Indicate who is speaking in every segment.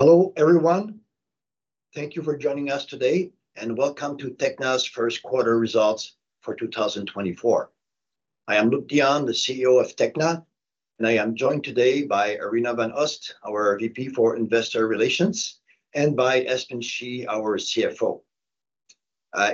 Speaker 1: Hello everyone, thank you for joining us today, and welcome to Tekna's First Quarter results for 2024. I am Luc Dionne, the CEO of Tekna, and I am joined today by Arina van Oost, our VP for Investor Relations, and by Espen Schie, our CFO.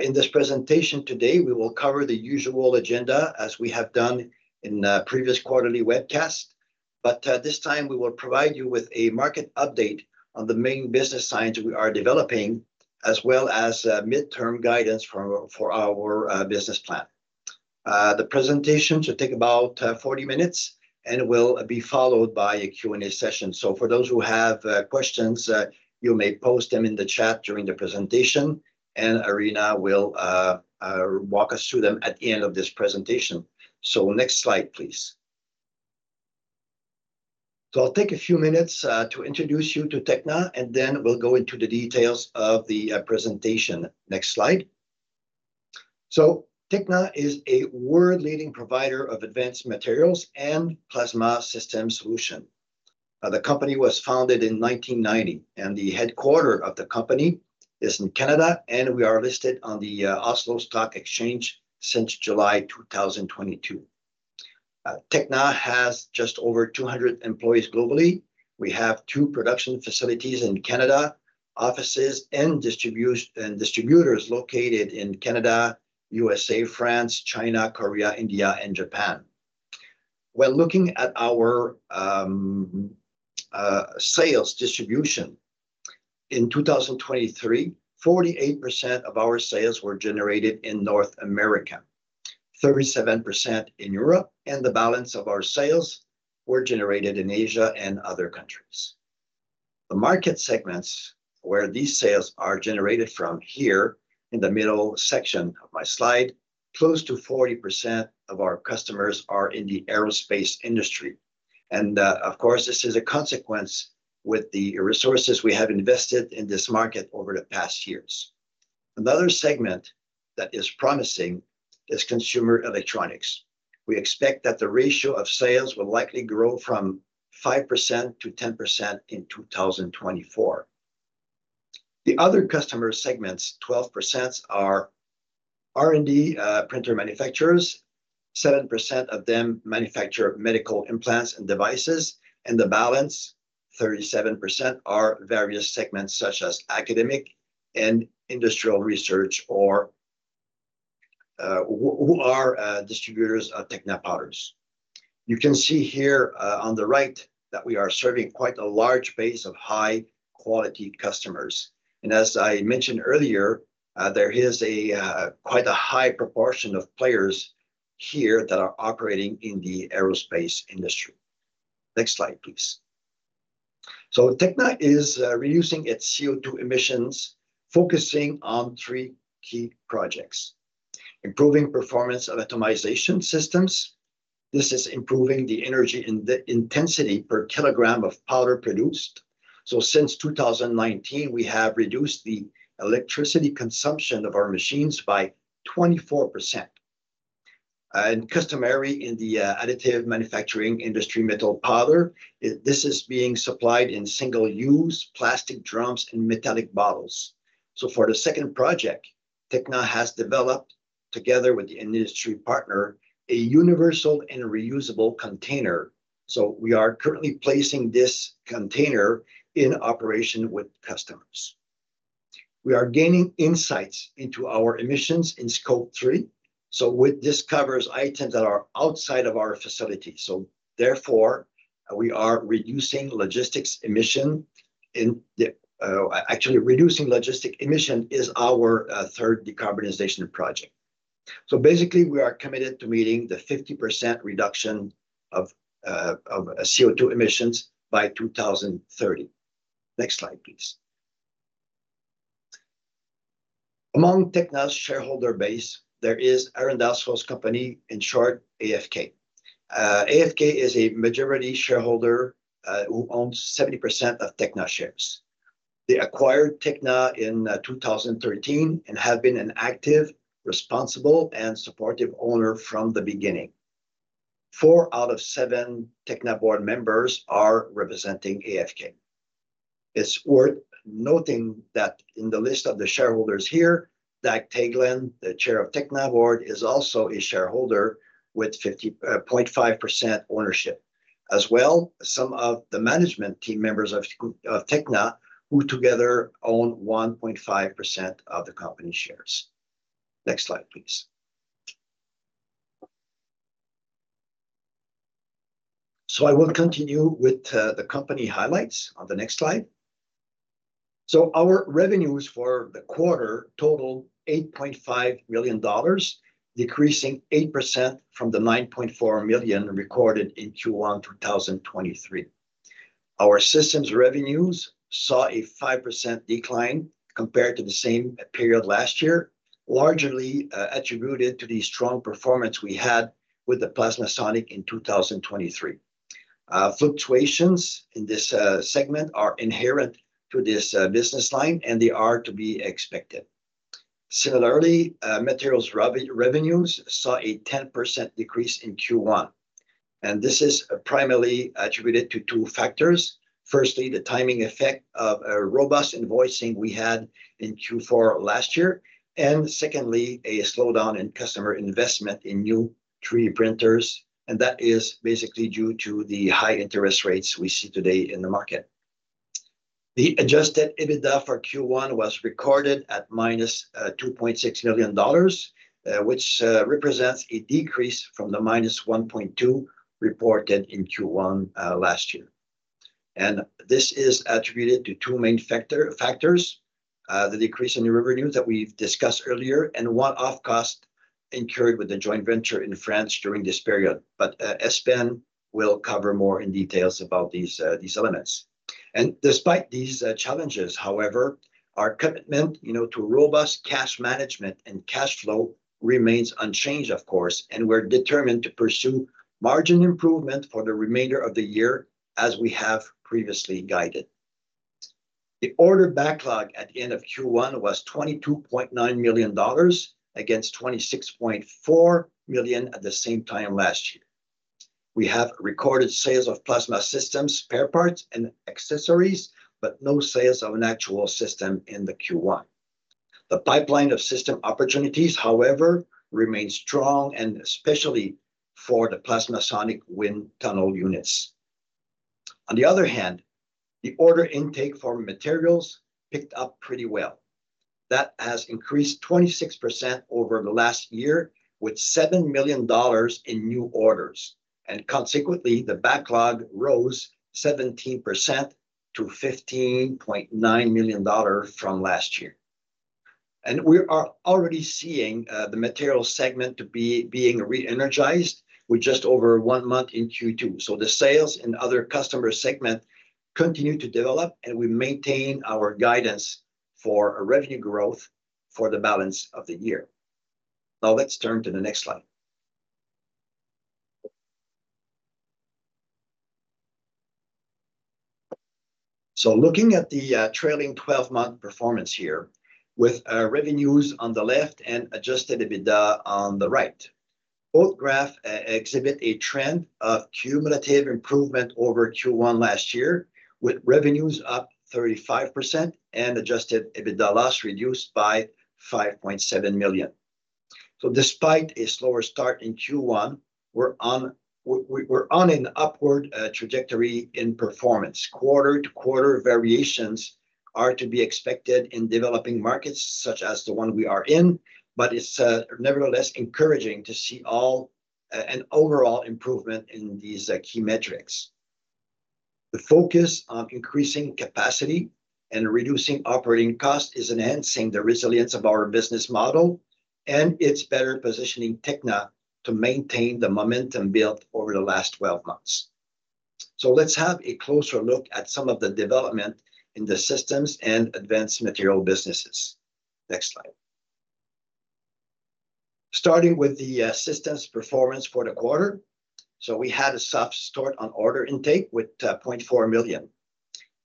Speaker 1: In this presentation today, we will cover the usual agenda as we have done in previous quarterly webcasts, but this time we will provide you with a market update on the main business segments we are developing, as well as midterm guidance for our business plan. The presentation should take about 40 minutes, and it will be followed by a Q&A session. So for those who have questions, you may post them in the chat during the presentation, and Arina will walk us through them at the end of this presentation. So next slide, please. So I'll take a few minutes to introduce you to Tekna, and then we'll go into the details of the presentation. Next slide. So Tekna is a world-leading provider of advanced materials and plasma system solutions. The company was founded in 1990, and the headquarters of the company is in Canada, and we are listed on the Oslo Stock Exchange since July 2022. Tekna has just over 200 employees globally. We have two production facilities in Canada, offices and distributors located in Canada, USA, France, China, Korea, India, and Japan. When looking at our sales distribution, in 2023, 48% of our sales were generated in North America, 37% in Europe, and the balance of our sales were generated in Asia and other countries. The market segments where these sales are generated from here in the middle section of my slide, close to 40% of our customers are in the aerospace industry. Of course, this is a consequence with the resources we have invested in this market over the past years. Another segment that is promising is consumer electronics. We expect that the ratio of sales will likely grow from 5%-10% in 2024. The other customer segments, 12%, are R&D printer manufacturers. 7% of them manufacture medical implants and devices, and the balance, 37%, are various segments such as academic and industrial research or who are distributors of Tekna Powders. You can see here on the right that we are serving quite a large base of high-quality customers. As I mentioned earlier, there is quite a high proportion of players here that are operating in the aerospace industry. Next slide, please. So Tekna is reducing its CO2 emissions, focusing on three key projects: improving performance of atomization systems. This is improving the energy intensity per kilogram of powder produced. So since 2019, we have reduced the electricity consumption of our machines by 24%. And customary in the additive manufacturing industry, metal powder, this is being supplied in single-use plastic drums and metallic bottles. So for the second project, Tekna has developed, together with the industry partner, a universal and reusable container. So we are currently placing this container in operation with customers. We are gaining insights into our emissions in Scope 3. So with this covers items that are outside of our facility. So therefore, we are reducing logistics emissions. Actually, reducing logistics emissions is our third decarbonization project. So basically, we are committed to meeting the 50% reduction of CO2 emissions by 2030. Next slide, please. Among Tekna's shareholder base, there is Arendals Fossekompani, in short, AFK. AFK is a majority shareholder who owns 70% of Tekna shares. They acquired Tekna in 2013 and have been an active, responsible, and supportive owner from the beginning. Four out of seven Tekna board members are representing AFK. It's worth noting that in the list of the shareholders here, Dag Teigland, the Chair of the Tekna Board, is also a shareholder with 50.5% ownership, as well as some of the management team members of Tekna who together own 1.5% of the company shares. Next slide, please. I will continue with the company highlights on the next slide. Our revenues for the quarter totaled $8.5 million, decreasing 8% from the $9.4 million recorded in Q1 2023. Our systems revenues saw a 5% decline compared to the same period last year, largely attributed to the strong performance we had with the PlasmaSonic in 2023. Fluctuations in this segment are inherent to this business line, and they are to be expected. Similarly, materials revenues saw a 10% decrease in Q1, and this is primarily attributed to two factors. Firstly, the timing effect of robust invoicing we had in Q4 last year, and secondly, a slowdown in customer investment in new 3D printers. That is basically due to the high interest rates we see today in the market. The adjusted EBITDA for Q1 was recorded at -NOK 2.6 million, which represents a decrease from the -1.2 million reported in Q1 last year. This is attributed to two main factors: the decrease in revenues that we've discussed earlier and one-off costs incurred with the joint venture in France during this period. Espen will cover more in details about these elements. Despite these challenges, however, our commitment to robust cash management and cash flow remains unchanged, of course, and we're determined to pursue margin improvement for the remainder of the year as we have previously guided. The order backlog at the end of Q1 was $22.9 million against $26.4 million at the same time last year. We have recorded sales of plasma systems, spare parts, and accessories, but no sales of an actual system in the Q1. The pipeline of system opportunities, however, remains strong, and especially for the PlasmaSonic wind tunnel units. On the other hand, the order intake for materials picked up pretty well. That has increased 26% over the last year with $7 million in new orders, and consequently, the backlog rose 17% to $15.9 million from last year. We are already seeing the materials segment being re-energized with just over one month in Q2. The sales in other customer segments continue to develop, and we maintain our guidance for revenue growth for the balance of the year. Now let's turn to the next slide. Looking at the trailing 12-month performance here with revenues on the left and adjusted EBITDA on the right, both graphs exhibit a trend of cumulative improvement over Q1 last year with revenues up 35% and adjusted EBITDA loss reduced by $5.7 million. Despite a slower start in Q1, we're on an upward trajectory in performance. Quarter-to-quarter variations are to be expected in developing markets such as the one we are in, but it's nevertheless encouraging to see an overall improvement in these key metrics. The focus on increasing capacity and reducing operating costs is enhancing the resilience of our business model and its better positioning Tekna to maintain the momentum built over the last 12 months. So let's have a closer look at some of the development in the systems and advanced material businesses. Next slide. Starting with the systems performance for the quarter. So we had a soft start on order intake with 0.4 million.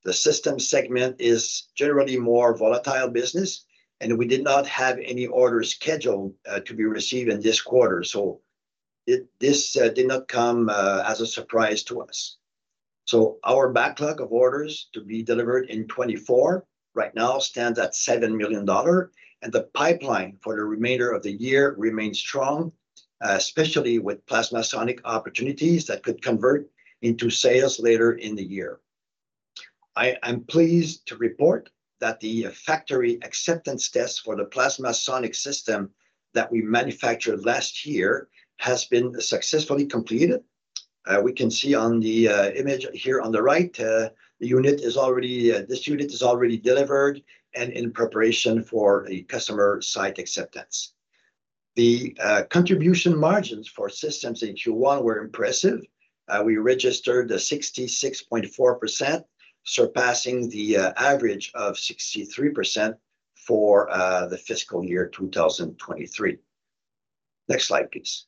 Speaker 1: The system segment is generally more volatile business, and we did not have any orders scheduled to be received in this quarter, so this did not come as a surprise to us. Our backlog of orders to be delivered in 2024 right now stands at $7 million, and the pipeline for the remainder of the year remains strong, especially with PlasmaSonic opportunities that could convert into sales later in the year. I'm pleased to report that the factory acceptance test for the PlasmaSonic system that we manufactured last year has been successfully completed. We can see on the image here on the right, this unit is already delivered and in preparation for a customer site acceptance. The contribution margins for systems in Q1 were impressive. We registered 66.4%, surpassing the average of 63% for the fiscal year 2023. Next slide, please.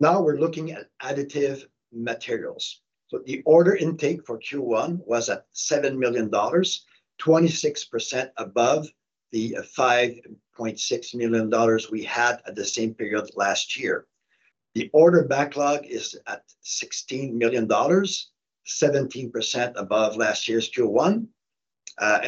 Speaker 1: Now we're looking at additive materials. The order intake for Q1 was at $7 million, 26% above the $5.6 million we had at the same period last year. The order backlog is at 16 million dollars, 17% above last year's Q1.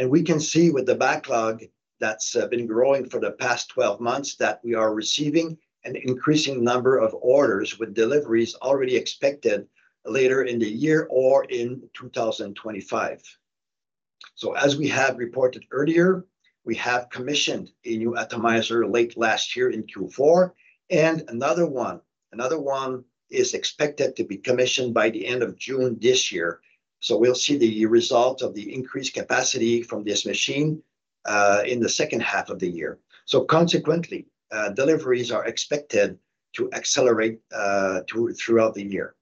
Speaker 1: We can see with the backlog that's been growing for the past 12 months that we are receiving an increasing number of orders with deliveries already expected later in the year or in 2025. As we have reported earlier, we have commissioned a new atomizer late last year in Q4, and another one is expected to be commissioned by the end of June this year. We'll see the result of the increased capacity from this machine in the second half of the year. Consequently, deliveries are expected to accelerate throughout the year.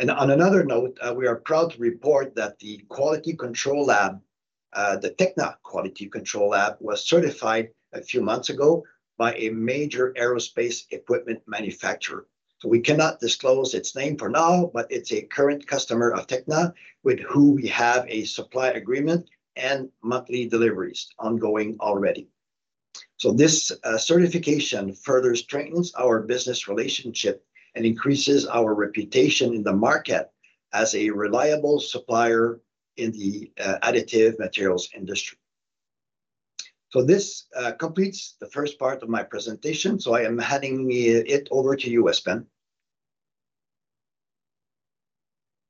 Speaker 1: On another note, we are proud to report that the Tekna Quality Control Lab was certified a few months ago by a major aerospace equipment manufacturer. We cannot disclose its name for now, but it's a current customer of Tekna with whom we have a supply agreement and monthly deliveries ongoing already. This certification further strengthens our business relationship and increases our reputation in the market as a reliable supplier in the additive materials industry. This completes the first part of my presentation. I am heading it over to you, Espen.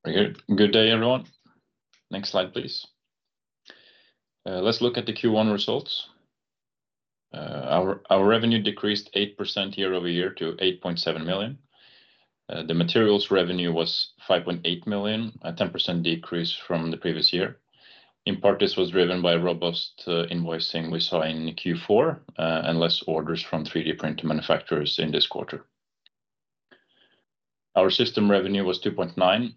Speaker 2: Good day, everyone. Next slide, please. Let's look at the Q1 results. Our revenue decreased 8% year-over-year to 8.7 million. The materials revenue was 5.8 million, a 10% decrease from the previous year. In part, this was driven by robust invoicing we saw in Q4 and less orders from 3D printer manufacturers in this quarter. Our system revenue was 2.9,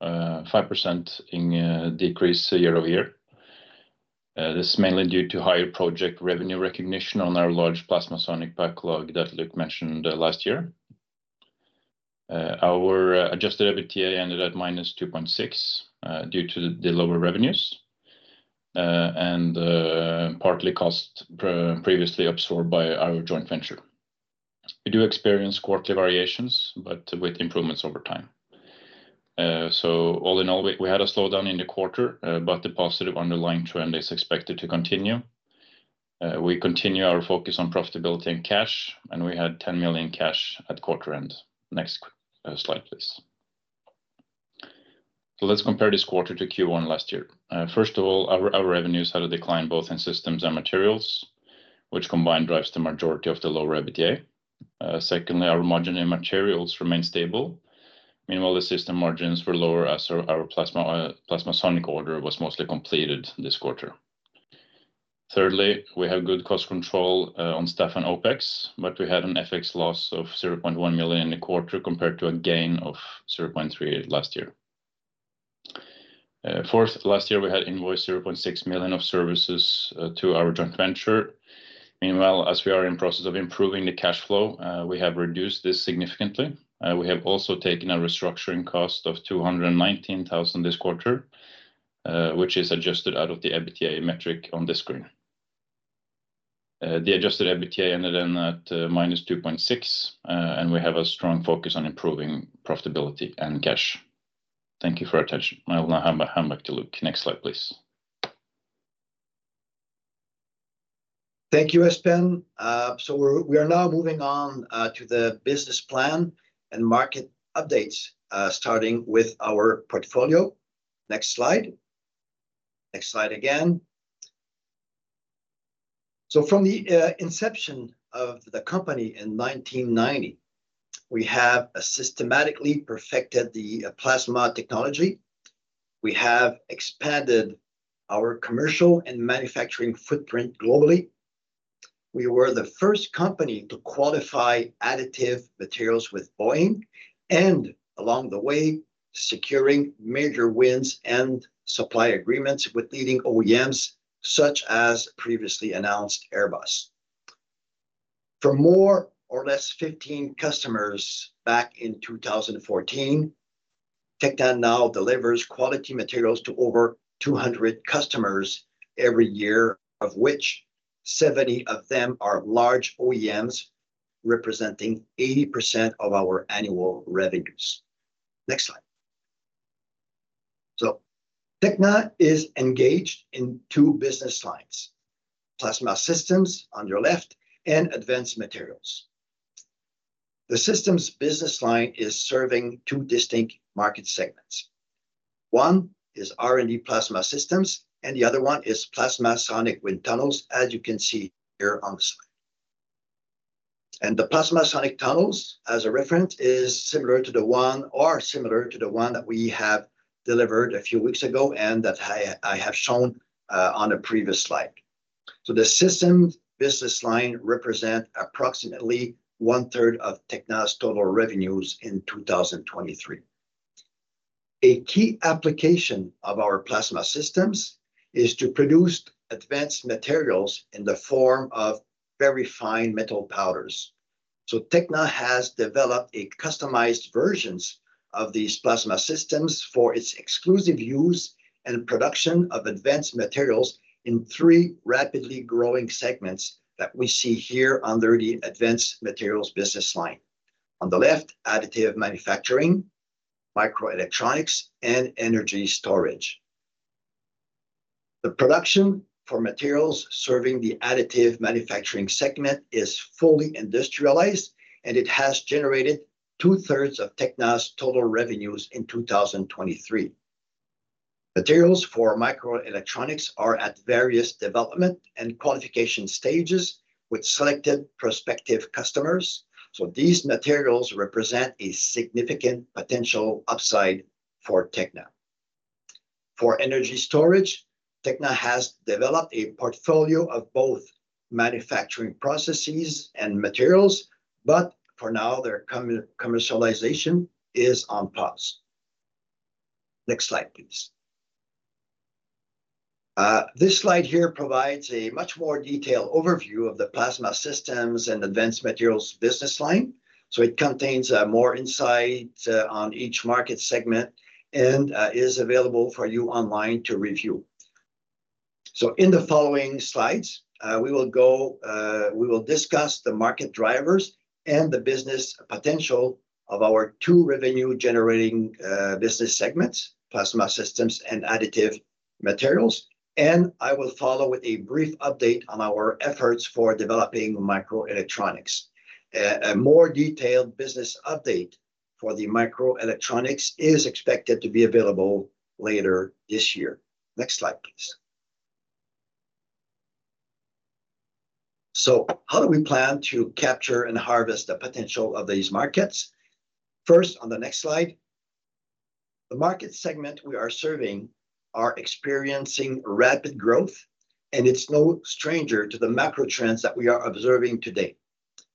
Speaker 2: 5% decrease year-over-year. This is mainly due to higher project revenue recognition on our large PlasmaSonic backlog that Luc mentioned last year. Our adjusted EBITDA ended at -2.6 due to the lower revenues and partly costs previously absorbed by our joint venture. We do experience quarterly variations, but with improvements over time. So all in all, we had a slowdown in the quarter, but the positive underlying trend is expected to continue. We continue our focus on profitability and cash, and we had 10 million cash at quarter end. Next slide, please. So let's compare this quarter to Q1 last year. First of all, our revenues had a decline both in systems and materials, which combined drives the majority of the lower EBITDA. Secondly, our margin in materials remained stable. Meanwhile, the system margins were lower as our PlasmaSonic order was mostly completed this quarter. Thirdly, we have good cost control on staff and OpEx, but we had an FX loss of 0.1 million in the quarter compared to a gain of 0.3 million last year. Fourth, last year we had invoiced 0.6 million of services to our joint venture. Meanwhile, as we are in the process of improving the cash flow, we have reduced this significantly. We have also taken a restructuring cost of $219,000 this quarter, which is adjusted out of the EBITDA metric on this screen. The adjusted EBITDA ended in at -2.6, and we have a strong focus on improving profitability and cash. Thank you for your attention. I'll now hand back to Luc. Next slide, please.
Speaker 1: Thank you, Espen. So we are now moving on to the business plan and market updates, starting with our portfolio. Next slide. Next slide again. So from the inception of the company in 1990, we have systematically perfected the plasma technology. We have expanded our commercial and manufacturing footprint globally. We were the first company to qualify additive materials with Boeing and, along the way, securing major wins and supply agreements with leading OEMs such as previously announced Airbus. For more or less 15 customers back in 2014, Tekna now delivers quality materials to over 200 customers every year, of which 70 of them are large OEMs representing 80% of our annual revenues. Next slide. So Tekna is engaged in two business lines: plasma systems on your left and advanced materials. The systems business line is serving two distinct market segments. One is R&D plasma systems, and the other one is PlasmaSonic wind tunnels, as you can see here on the slide. And the PlasmaSonic tunnels, as a reference, is similar to the one or similar to the one that we have delivered a few weeks ago and that I have shown on a previous slide. So the systems business line represents approximately 1/3 of Tekna's total revenues in 2023. A key application of our plasma systems is to produce advanced materials in the form of very fine metal powders. So Tekna has developed customized versions of these plasma systems for its exclusive use and production of advanced materials in three rapidly growing segments that we see here under the advanced materials business line. On the left, additive manufacturing, microelectronics, and energy storage. The production for materials serving the additive manufacturing segment is fully industrialized, and it has generated two-thirds of Tekna's total revenues in 2023. Materials for microelectronics are at various development and qualification stages with selected prospective customers. These materials represent a significant potential upside for Tekna. For energy storage, Tekna has developed a portfolio of both manufacturing processes and materials, but for now, their commercialization is on pause. Next slide, please. This slide here provides a much more detailed overview of the plasma systems and advanced materials business line. It contains more insights on each market segment and is available for you online to review. In the following slides, we will discuss the market drivers and the business potential of our two revenue-generating business segments, plasma systems and additive materials. I will follow with a brief update on our efforts for developing microelectronics. A more detailed business update for the microelectronics is expected to be available later this year. Next slide, please. So how do we plan to capture and harvest the potential of these markets? First, on the next slide, the market segment we are serving is experiencing rapid growth, and it's no stranger to the macro trends that we are observing today.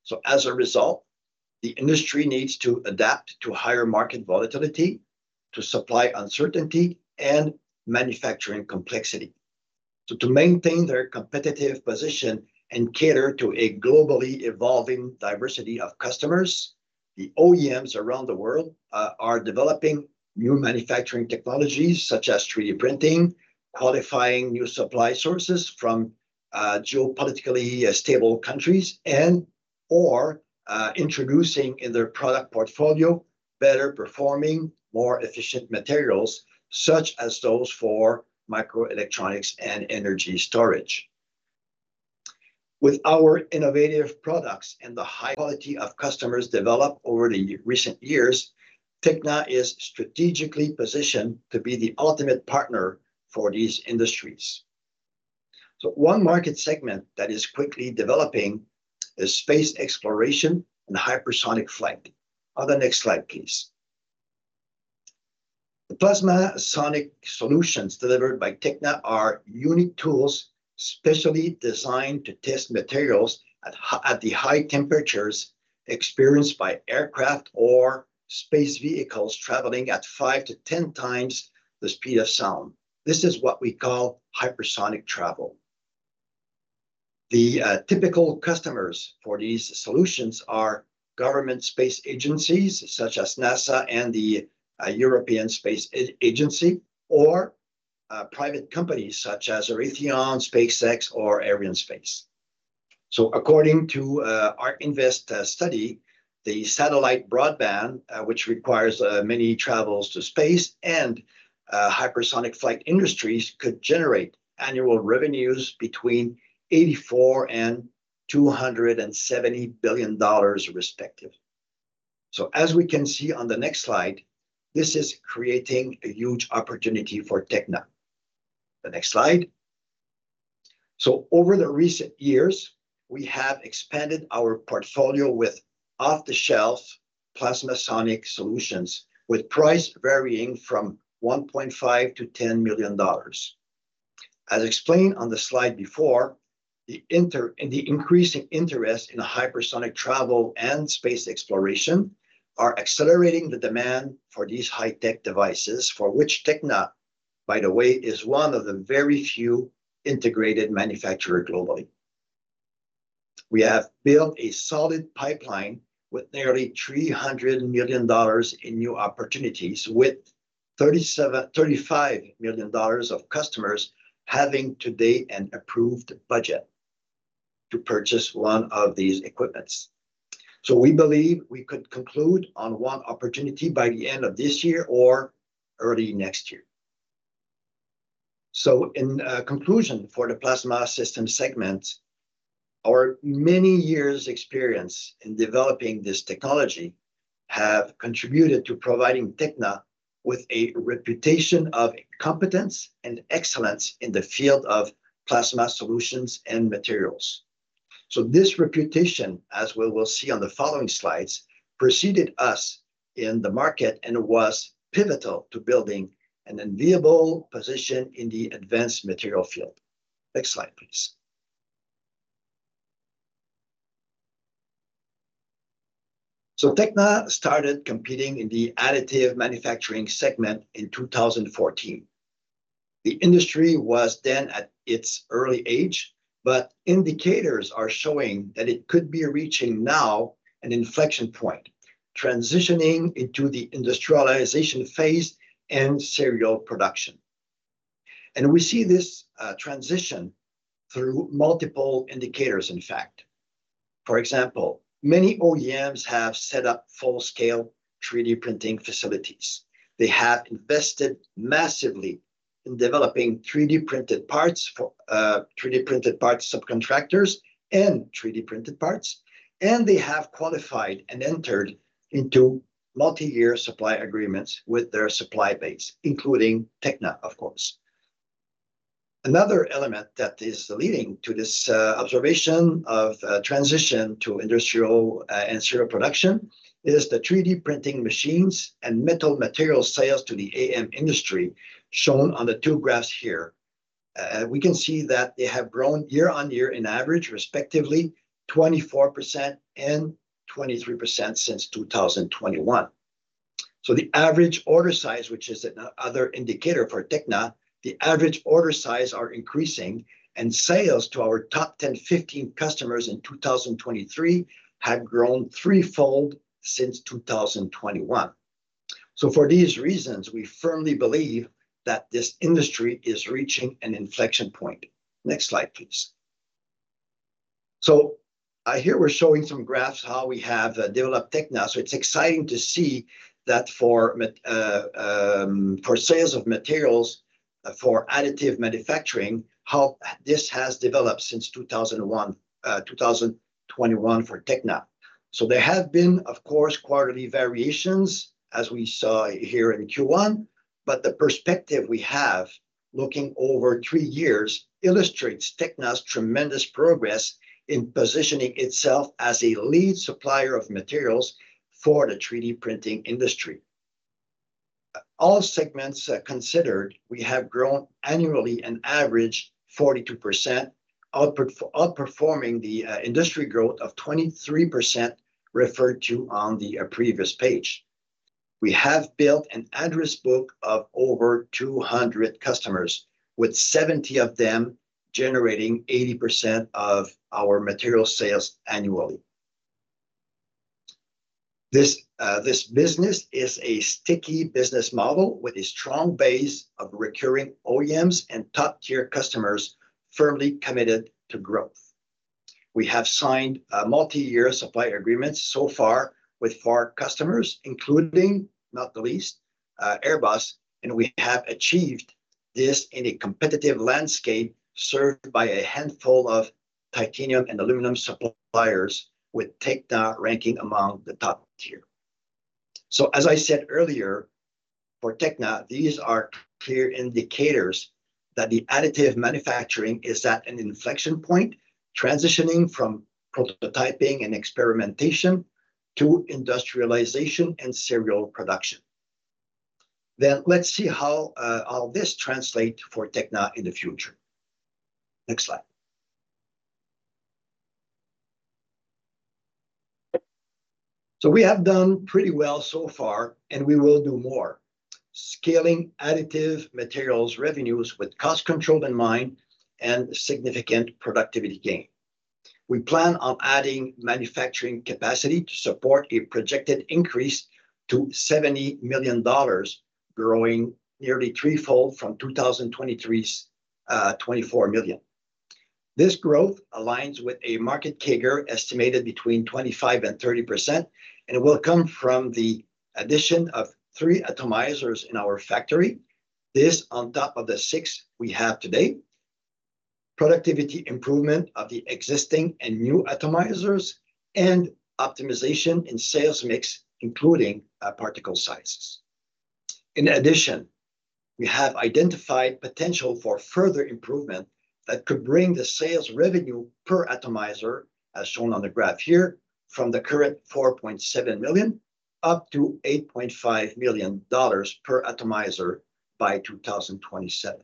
Speaker 1: So as a result, the industry needs to adapt to higher market volatility, to supply uncertainty, and manufacturing complexity. So to maintain their competitive position and cater to a globally evolving diversity of customers, the OEMs around the world are developing new manufacturing technologies such as 3D printing, qualifying new supply sources from geopolitically stable countries, and/or introducing in their product portfolio better-performing, more efficient materials such as those for microelectronics and energy storage. With our innovative products and the high quality of customers developed over the recent years, Tekna is strategically positioned to be the ultimate partner for these industries. So one market segment that is quickly developing is space exploration and hypersonic flight. On the next slide, please. The PlasmaSonic solutions delivered by Tekna are unique tools specially designed to test materials at the high temperatures experienced by aircraft or space vehicles traveling at five to ten times the speed of sound. This is what we call hypersonic travel. The typical customers for these solutions are government space agencies such as NASA and the European Space Agency or private companies such as Axiom, SpaceX, or Arianespace. So according to our Invest study, the satellite broadband, which requires many travels to space and hypersonic flight industries, could generate annual revenues between $84 billion and $270 billion, respectively. So as we can see on the next slide, this is creating a huge opportunity for Tekna. The next slide. So over the recent years, we have expanded our portfolio with off-the-shelf PlasmaSonic solutions with prices varying from $1.5-$10 million. As explained on the slide before, the increasing interest in hypersonic travel and space exploration is accelerating the demand for these high-tech devices, for which Tekna, by the way, is one of the very few integrated manufacturers globally. We have built a solid pipeline with nearly $300 million in new opportunities, with $35 million of customers having today an approved budget to purchase one of these equipments. So we believe we could conclude on one opportunity by the end of this year or early next year. In conclusion, for the plasma systems segment, our many years' experience in developing this technology has contributed to providing Tekna with a reputation of competence and excellence in the field of plasma solutions and materials. This reputation, as we will see on the following slides, preceded us in the market and was pivotal to building an enviable position in the advanced material field. Next slide, please. Tekna started competing in the additive manufacturing segment in 2014. The industry was then at its early age, but indicators are showing that it could be reaching now an inflection point, transitioning into the industrialization phase and serial production. We see this transition through multiple indicators, in fact. For example, many OEMs have set up full-scale 3D printing facilities. They have invested massively in developing 3D printed parts subcontractors and 3D printed parts, and they have qualified and entered into multi-year supply agreements with their supply base, including Tekna, of course. Another element that is leading to this observation of transition to industrial and serial production is the 3D printing machines and metal materials sales to the AM industry shown on the two graphs here. We can see that they have grown year-on-year in average, respectively, 24% and 23% since 2021. So the average order size, which is another indicator for Tekna, the average order size is increasing, and sales to our top 10-15 customers in 2023 have grown threefold since 2021. So for these reasons, we firmly believe that this industry is reaching an inflection point. Next slide, please. So here we're showing some graphs of how we have developed Tekna. So it's exciting to see that for sales of materials for additive manufacturing, how this has developed since 2021 for Tekna. So there have been, of course, quarterly variations, as we saw here in Q1, but the perspective we have looking over three years illustrates Tekna's tremendous progress in positioning itself as a leading supplier of materials for the 3D printing industry. All segments considered, we have grown annually an average of 42%, outperforming the industry growth of 23% referred to on the previous page. We have built an address book of over 200 customers, with 70 of them generating 80% of our material sales annually. This business is a sticky business model with a strong base of recurring OEMs and top-tier customers firmly committed to growth. We have signed multi-year supply agreements so far with four customers, including, not the least, Airbus, and we have achieved this in a competitive landscape served by a handful of titanium and aluminum suppliers, with Tekna ranking among the top tier. So as I said earlier, for Tekna, these are clear indicators that the additive manufacturing is at an inflection point, transitioning from prototyping and experimentation to industrialization and serial production. Then let's see how all this translates for Tekna in the future. Next slide. So we have done pretty well so far, and we will do more, scaling additive materials revenues with cost control in mind and significant productivity gain. We plan on adding manufacturing capacity to support a projected increase to $70 million, growing nearly threefold from 2023's $24 million. This growth aligns with a market CAGR estimated between 25%-30%, and it will come from the addition of three atomizers in our factory, this on top of the six we have today, productivity improvement of the existing and new atomizers, and optimization in sales mix, including particle sizes. In addition, we have identified potential for further improvement that could bring the sales revenue per atomizer, as shown on the graph here, from the current $4.7 million up to $8.5 million per atomizer by 2027.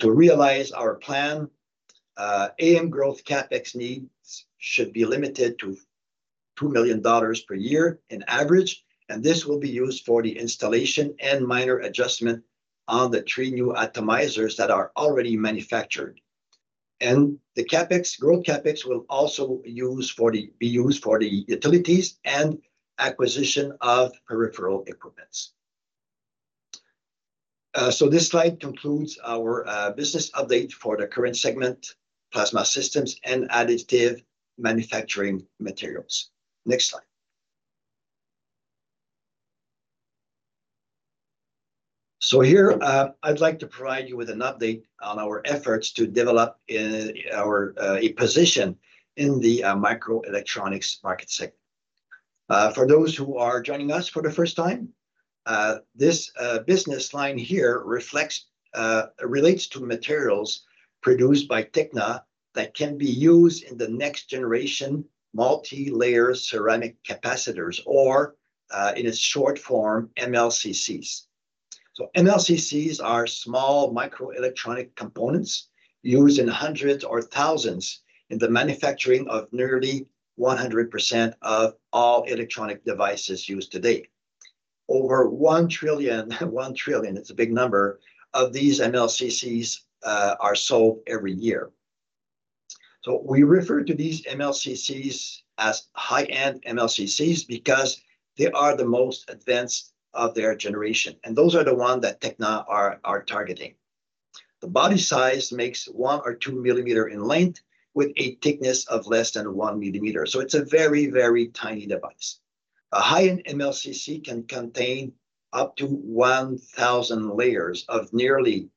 Speaker 1: To realize our plan, AM growth CapEx needs should be limited to $2 million per year in average, and this will be used for the installation and minor adjustment on the three new atomizers that are already manufactured. The growth CapEx will also be used for the utilities and acquisition of peripheral equipment. So this slide concludes our business update for the current segment, plasma systems and additive manufacturing materials. Next slide. So here, I'd like to provide you with an update on our efforts to develop a position in the microelectronics market segment. For those who are joining us for the first time, this business line here relates to materials produced by Tekna that can be used in the next-generation multi-layer ceramic capacitors, or in its short form, MLCCs. So MLCCs are small microelectronic components used in hundreds or thousands in the manufacturing of nearly 100% of all electronic devices used today. Over 1 trillion, it's a big number, of these MLCCs are sold every year. So we refer to these MLCCs as high-end MLCCs because they are the most advanced of their generation, and those are the ones that Tekna is targeting. The body size measures 1 or 2 millimeters in length, with a thickness of less than 1 millimeter. It's a very, very tiny device. A high-end MLCC can contain up to 1,000 layers of nearly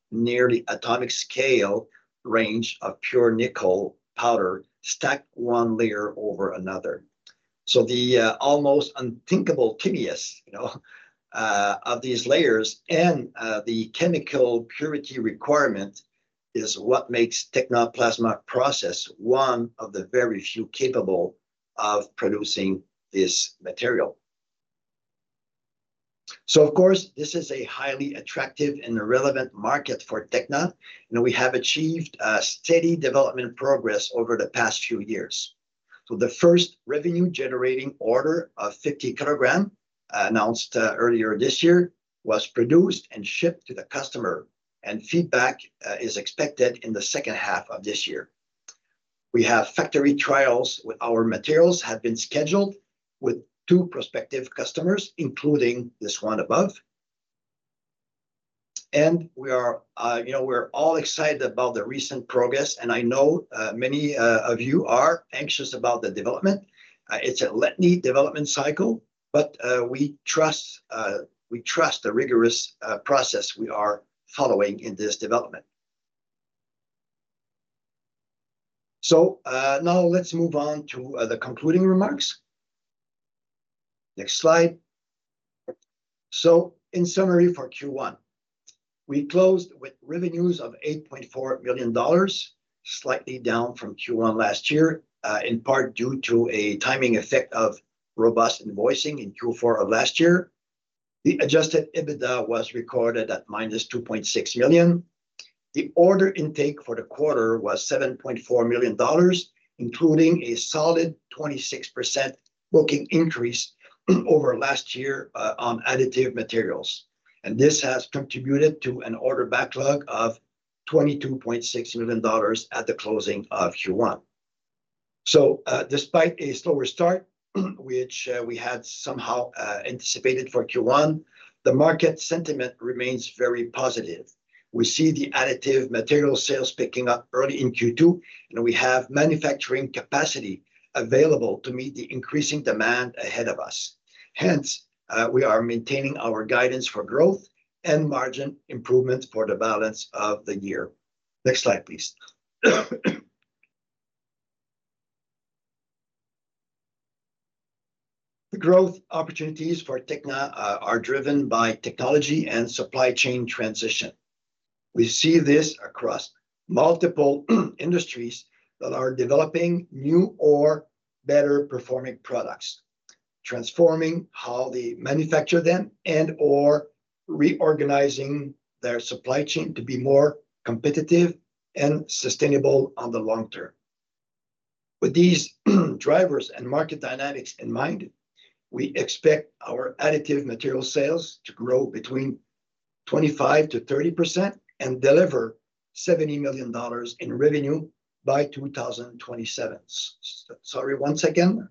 Speaker 1: atomic-scale range of pure nickel powder, stacked one layer over another. The almost unthinkable tenuousness of these layers and the chemical purity requirement is what makes Tekna plasma process one of the very few capable of producing this material. Of course, this is a highly attractive and relevant market for Tekna, and we have achieved steady development progress over the past few years. The first revenue-generating order of 50 kilograms, announced earlier this year, was produced and shipped to the customer, and feedback is expected in the second half of this year. We have factory trials with our materials that have been scheduled with two prospective customers, including this one above. We're all excited about the recent progress, and I know many of you are anxious about the development. It's a learn-and-learn development cycle, but we trust the rigorous process we are following in this development. Now let's move on to the concluding remarks. Next slide. In summary for Q1, we closed with revenues of $8.4 million, slightly down from Q1 last year, in part due to a timing effect of robust invoicing in Q4 of last year. The adjusted EBITDA was recorded at -$2.6 million. The order intake for the quarter was $7.4 million, including a solid 26% booking increase over last year on additive materials. And this has contributed to an order backlog of $22.6 million at the closing of Q1. Despite a slower start, which we had somehow anticipated for Q1, the market sentiment remains very positive. We see the additive material sales picking up early in Q2, and we have manufacturing capacity available to meet the increasing demand ahead of us. Hence, we are maintaining our guidance for growth and margin improvements for the balance of the year. Next slide, please. The growth opportunities for Tekna are driven by technology and supply chain transition. We see this across multiple industries that are developing new or better-performing products, transforming how they manufacture them and/or reorganizing their supply chain to be more competitive and sustainable on the long term. With these drivers and market dynamics in mind, we expect our additive material sales to grow between 25%-30% and deliver $70 million in revenue by 2027. Sorry, one second.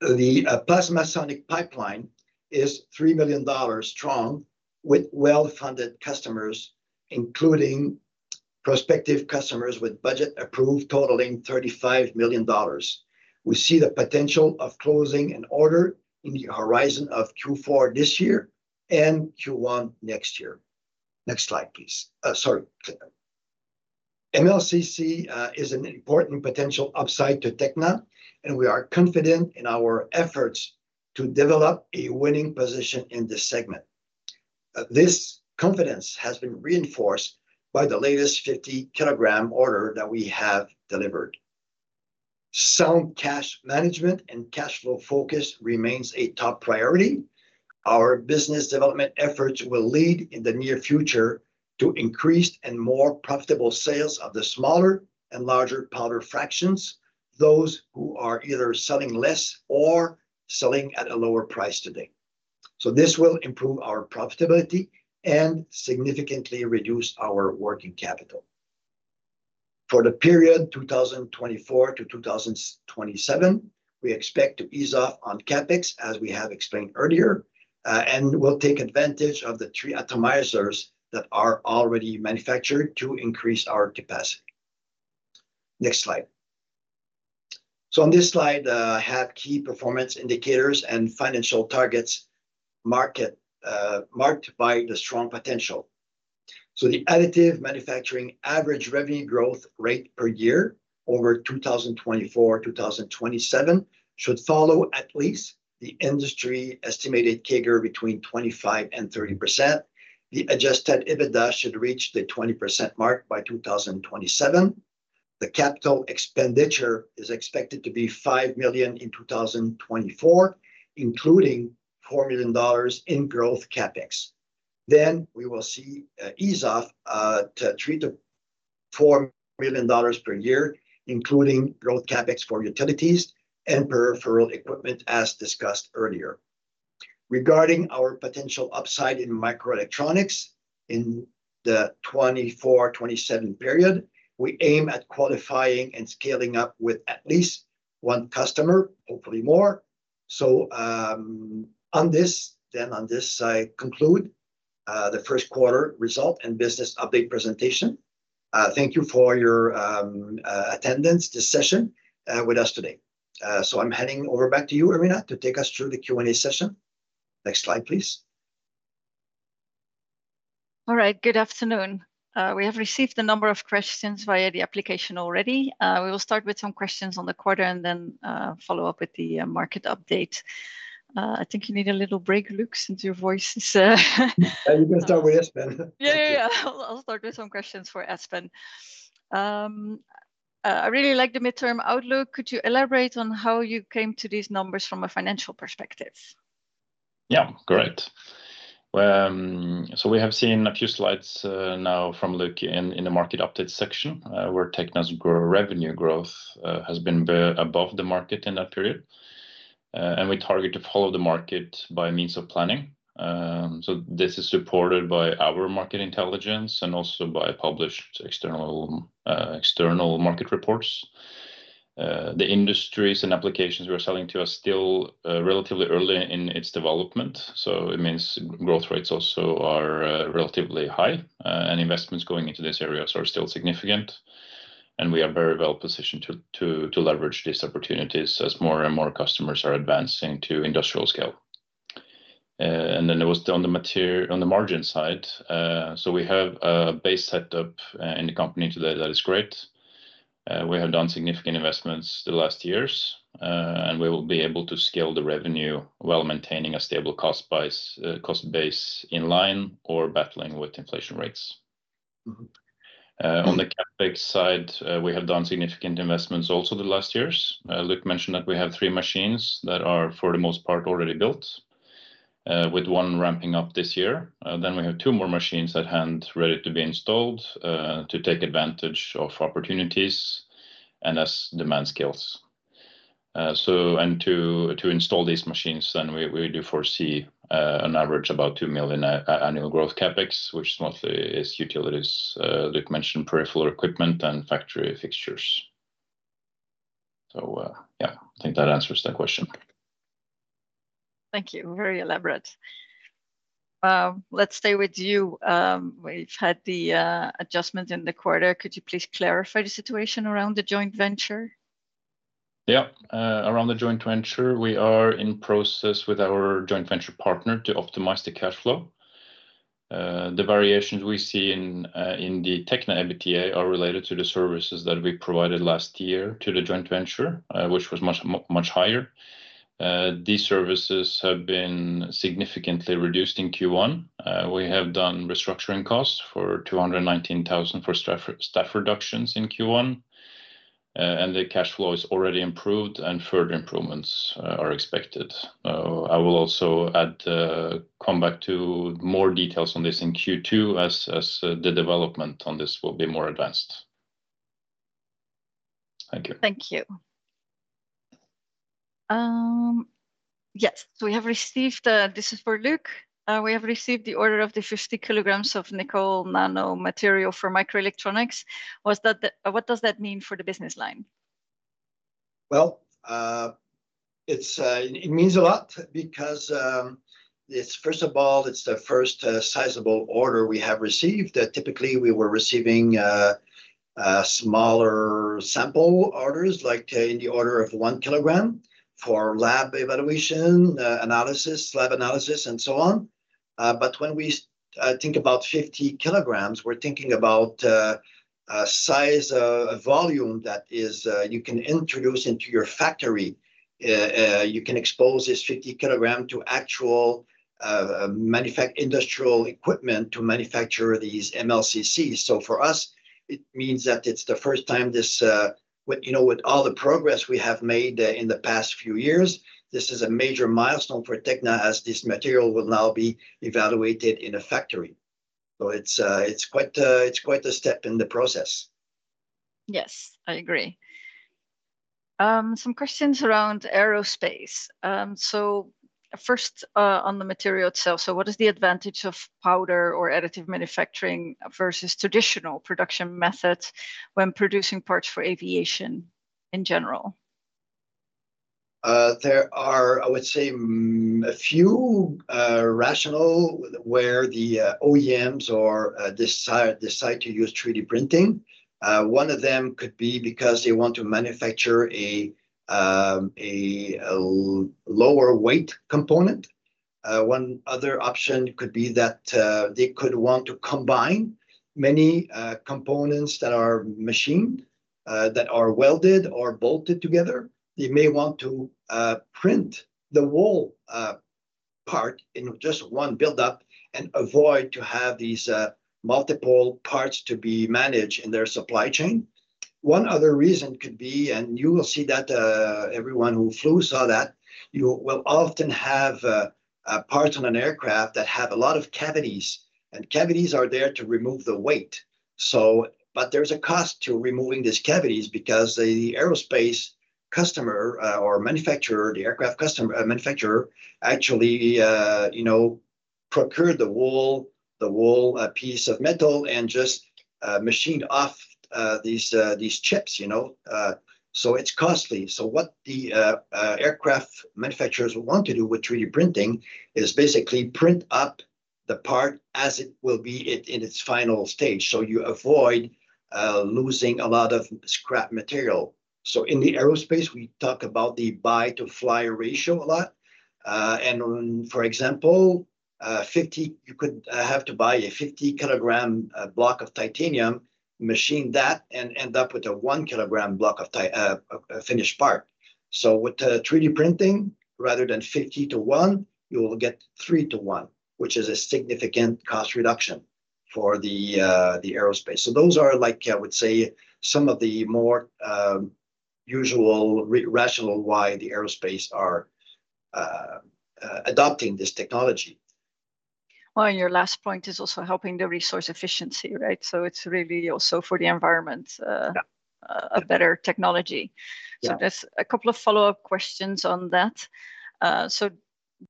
Speaker 1: The PlasmaSonic pipeline is $3 million strong, with well-funded customers, including prospective customers with budget approved, totaling $35 million. We see the potential of closing an order in the horizon of Q4 this year and Q1 next year. Next slide, please. Sorry. MLCC is an important potential upside to Tekna, and we are confident in our efforts to develop a winning position in this segment. This confidence has been reinforced by the latest 50-kilogram order that we have delivered. Sound cash management and cash flow focus remain a top priority. Our business development efforts will lead in the near future to increased and more profitable sales of the smaller and larger powder fractions, those who are either selling less or selling at a lower price today. So this will improve our profitability and significantly reduce our working capital. For the period 2024 to 2027, we expect to ease off on CapEx, as we have explained earlier, and we'll take advantage of the 3 atomizers that are already manufactured to increase our capacity. Next slide. So on this slide, I have key performance indicators and financial targets marked by the strong potential. So the additive manufacturing average revenue growth rate per year over 2024-2027 should follow at least the industry-estimated CAGR between 25%-30%. The adjusted EBITDA should reach the 20% mark by 2027. The capital expenditure is expected to be $5 million in 2024, including $4 million in growth CapEx. Then we will see ease-off to $4 million per year, including growth CapEx for utilities and peripheral equipment, as discussed earlier. Regarding our potential upside in microelectronics in the 2024-2027 period, we aim at qualifying and scaling up with at least 1 customer, hopefully more. So, on this, I conclude the first quarter result and business update presentation. Thank you for your attendance to this session with us today. So, I'm handing over back to you, Arina, to take us through the Q&A session. Next slide, please.
Speaker 3: All right. Good afternoon. We have received a number of questions via the application already. We will start with some questions on the quarter and then follow up with the market update. I think you need a little break, Luc, since your voice is. You can start with Espen. Yeah, yeah, yeah. I'll start with some questions for Espen. I really like the midterm outlook. Could you elaborate on how you came to these numbers from a financial perspective?
Speaker 2: Yeah, correct. So we have seen a few slides now from Luc in the market update section, where Tekna's revenue growth has been above the market in that period. We target to follow the market by means of planning. This is supported by our market intelligence and also by published external market reports. The industries and applications we are selling to are still relatively early in its development. It means growth rates also are relatively high, and investments going into this area are still significant. We are very well positioned to leverage these opportunities as more and more customers are advancing to industrial scale. Then it was on the margin side. We have a base setup in the company today that is great. We have done significant investments the last years, and we will be able to scale the revenue while maintaining a stable cost base in line or battling with inflation rates. On the CapEx side, we have done significant investments also the last years. Luc mentioned that we have three machines that are, for the most part, already built, with one ramping up this year. Then we have two more machines at hand ready to be installed to take advantage of opportunities and as demand scales. And to install these machines, then we do foresee an average of about 2 million annual growth CapEx, which mostly is utilities, Luc mentioned, peripheral equipment, and factory fixtures. So yeah, I think that answers that question.
Speaker 3: Thank you. Very elaborate. Let's stay with you. We've had the adjustment in the quarter. Could you please clarify the situation around the joint venture?
Speaker 2: Yeah. Around the joint venture, we are in process with our joint venture partner to optimize the cash flow. The variations we see in the Tekna EBITDA are related to the services that we provided last year to the joint venture, which was much higher. These services have been significantly reduced in Q1. We have done restructuring costs for 219,000 for staff reductions in Q1, and the cash flow is already improved, and further improvements are expected. I will also come back to more details on this in Q2 as the development on this will be more advanced. Thank you.
Speaker 3: Thank you. Yes. So we have received. This is for Luc. We have received the order of 50 kilograms of nickel nano material for microelectronics. What does that mean for the business line?
Speaker 1: Well, it means a lot because, first of all, it's the first sizable order we have received. Typically, we were receiving smaller sample orders like in the order of 1 kilogram for lab evaluation, lab analysis, and so on. But when we think about 50 kilograms, we're thinking about a size, a volume that you can introduce into your factory. You can expose this 50 kilogram to actual industrial equipment to manufacture these MLCCs. So for us, it means that it's the first time this with all the progress we have made in the past few years, this is a major milestone for Tekna as this material will now be evaluated in a factory. So it's quite a step in the process.
Speaker 3: Yes, I agree. Some questions around aerospace. So first, on the material itself, so what is the advantage of powder or additive manufacturing versus traditional production methods when producing parts for aviation in general?
Speaker 1: There are, I would say, a few rationales where the OEMs decide to use 3D printing. One of them could be because they want to manufacture a lower-weight component. One other option could be that they could want to combine many components that are machined, that are welded or bolted together. They may want to print the whole part in just one buildup and avoid having these multiple parts to be managed in their supply chain. One other reason could be, and you will see that everyone who flew saw that, you will often have parts on an aircraft that have a lot of cavities, and cavities are there to remove the weight. But there's a cost to removing these cavities because the aerospace customer or manufacturer, the aircraft manufacturer, actually procured the whole piece of metal and just machined off these chips. So it's costly. So what the aircraft manufacturers want to do with 3D printing is basically print up the part as it will be in its final stage so you avoid losing a lot of scrap material. So in the aerospace, we talk about the buy-to-fly ratio a lot. And for example, you could have to buy a 50-kilogram block of titanium, machine that, and end up with a 1-kilogram block of finished part. So with 3D printing, rather than 50:1, you will get 3:1, which is a significant cost reduction for the aerospace. So those are, I would say, some of the more usual rationales why the aerospace are adopting this technology.
Speaker 3: Well, and your last point is also helping the resource efficiency, right? So it's really also for the environment, a better technology. So there's a couple of follow-up questions on that. So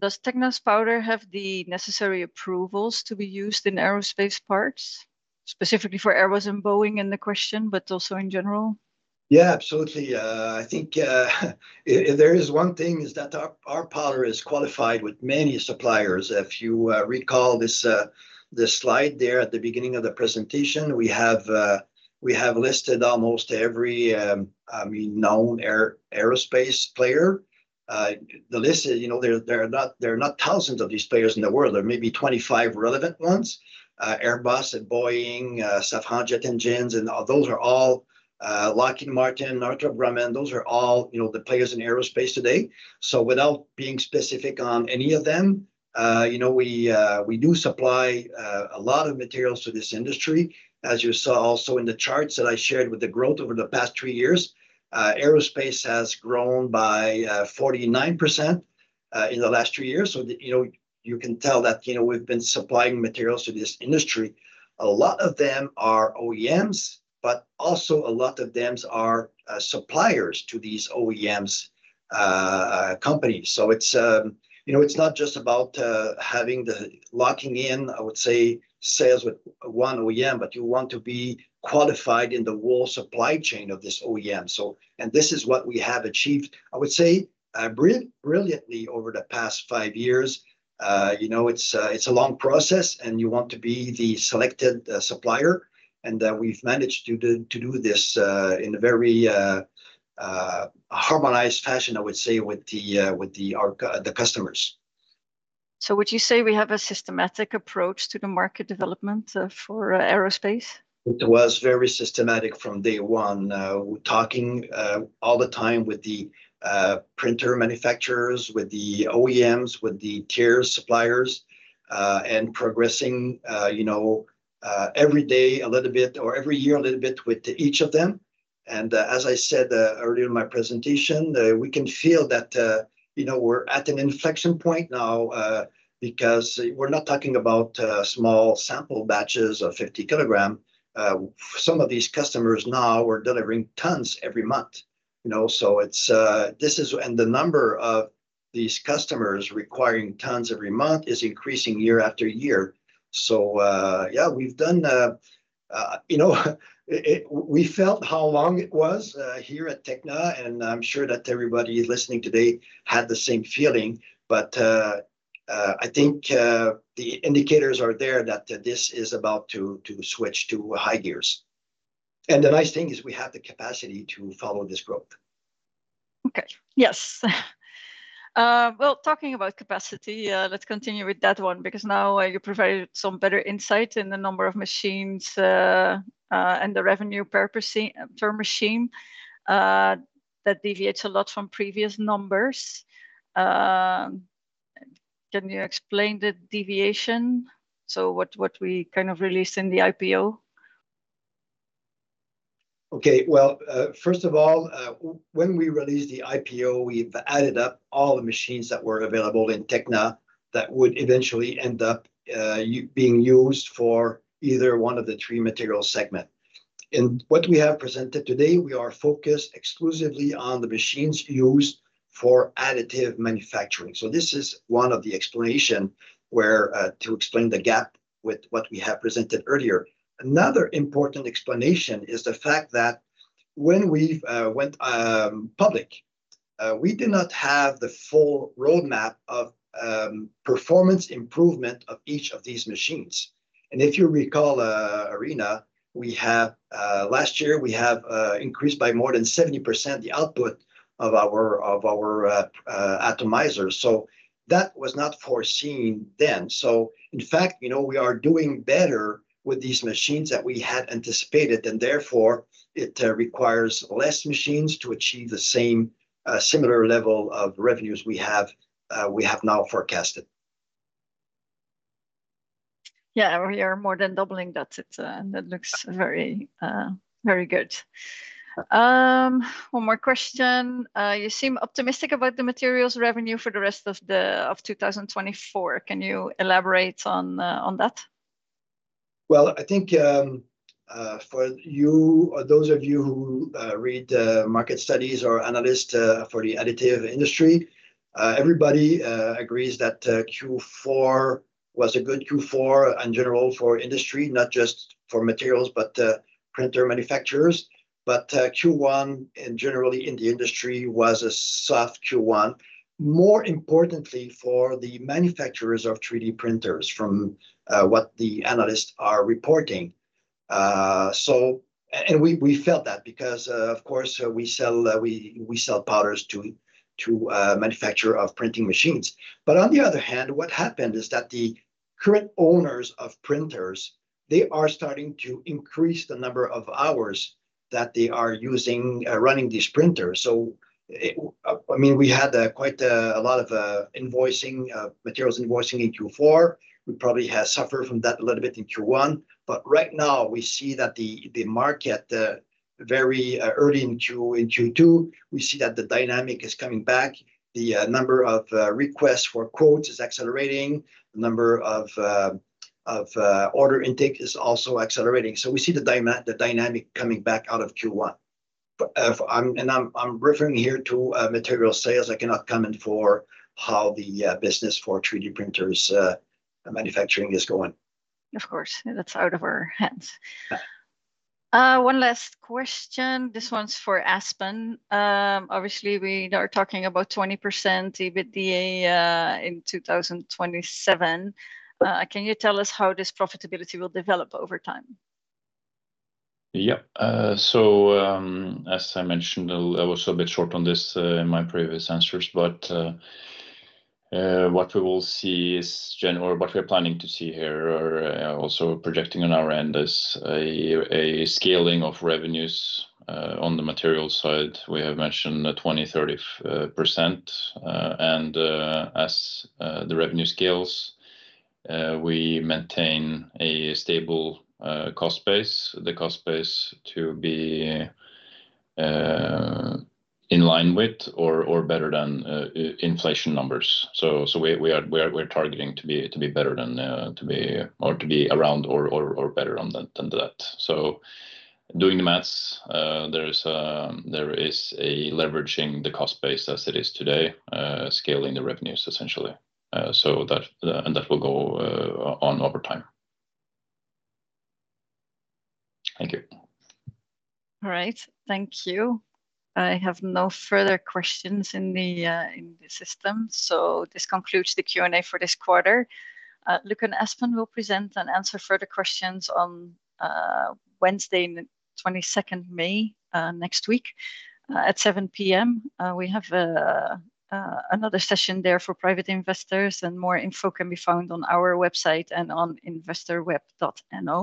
Speaker 3: does Tekna's powder have the necessary approvals to be used in aerospace parts, specifically for Airbus and Boeing in the question, but also in general?
Speaker 1: Yeah, absolutely. I think there is one thing is that our powder is qualified with many suppliers. If you recall this slide there at the beginning of the presentation, we have listed almost every, I mean, known aerospace player. The list is there are not thousands of these players in the world. There are maybe 25 relevant ones: Airbus, Boeing, Safran jet engines. And those are all Lockheed Martin, Northrop Grumman. Those are all the players in aerospace today. So without being specific on any of them, we do supply a lot of materials to this industry. As you saw also in the charts that I shared with the growth over the past three years, aerospace has grown by 49% in the last three years. So you can tell that we've been supplying materials to this industry. A lot of them are OEMs, but also a lot of them are suppliers to these OEMs companies. So it's not just about having the locking in, I would say, sales with one OEM, but you want to be qualified in the whole supply chain of this OEM. This is what we have achieved, I would say, brilliantly over the past five years. It's a long process, and you want to be the selected supplier. We've managed to do this in a very harmonized fashion, I would say, with the customers.
Speaker 3: Would you say we have a systematic approach to the market development for aerospace?
Speaker 1: It was very systematic from day one, talking all the time with the printer manufacturers, with the OEMs, with the Tier suppliers, and progressing every day a little bit or every year a little bit with each of them. As I said earlier in my presentation, we can feel that we're at an inflection point now because we're not talking about small sample batches of 50 kilograms. Some of these customers now are delivering tons every month. So this is, and the number of these customers requiring tons every month is increasing year after year. So yeah, we've done we felt how long it was here at Tekna, and I'm sure that everybody listening today had the same feeling. But I think the indicators are there that this is about to switch to high gears. And the nice thing is we have the capacity to follow this growth.
Speaker 3: Okay. Yes. Well, talking about capacity, let's continue with that one because now you provided some better insight in the number of machines and the revenue per machine that deviates a lot from previous numbers. Can you explain the deviation, so what we kind of released in the IPO?
Speaker 1: Okay. Well, first of all, when we released the IPO, we've added up all the machines that were available in Tekna that would eventually end up being used for either one of the three material segments. In what we have presented today, we are focused exclusively on the machines used for additive manufacturing. So this is one of the explanations to explain the gap with what we have presented earlier. Another important explanation is the fact that when we went public, we did not have the full roadmap of performance improvement of each of these machines. And if you recall, Arina, last year, we have increased by more than 70% the output of our atomizers. So that was not foreseen then. So in fact, we are doing better with these machines than we had anticipated, and therefore, it requires less machines to achieve the similar level of revenues we have now forecasted.
Speaker 3: Yeah, we are more than doubling. That's it. That looks very good. One more question. You seem optimistic about the materials revenue for the rest of 2024. Can you elaborate on that?
Speaker 1: Well, I think for you or those of you who read market studies or analysts for the additive industry, everybody agrees that Q4 was a good Q4 in general for industry, not just for materials but printer manufacturers. But Q1, generally in the industry, was a soft Q1, more importantly for the manufacturers of 3D printers from what the analysts are reporting. And we felt that because, of course, we sell powders to manufacturers of printing machines. But on the other hand, what happened is that the current owners of printers, they are starting to increase the number of hours that they are running these printers. So I mean, we had quite a lot of materials invoicing in Q4. We probably have suffered from that a little bit in Q1. But right now, we see that the market very early in Q2, we see that the dynamic is coming back. The number of requests for quotes is accelerating. The number of order intake is also accelerating. We see the dynamic coming back out of Q1. I'm referring here to material sales. I cannot comment for how the business for 3D printers manufacturing is going.
Speaker 3: Of course. That's out of our hands. One last question. This one's for Espen. Obviously, we are talking about 20% EBITDA in 2027. Can you tell us how this profitability will develop over time?
Speaker 1: Yeah. So as I mentioned, I was a bit short on this in my previous answers, but what we will see is or what we're planning to see here or also projecting on our end is a scaling of revenues on the material side. We have mentioned 20%-30%. And as the revenue scales, we maintain a stable cost base, the cost base to be in line with or better than inflation numbers. So we are targeting to be better than or to be around or better than that. So doing the math, there is a leveraging the cost base as it is today, scaling the revenues, essentially. And that will go on over time. Thank you.
Speaker 3: All right. Thank you. I have no further questions in the system. So this concludes the Q&A for this quarter. Luc and Espen will present and answer further questions on Wednesday, 22nd May next week at 7:00 P.M. We have another session there for private investors, and more info can be found on our website and on investorweb.no.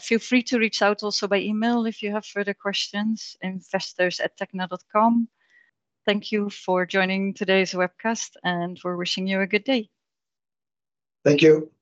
Speaker 3: Feel free to reach out also by email if you have further questions, investors@tekna.com. Thank you for joining today's webcast and for wishing you a good day.
Speaker 1: Thank you.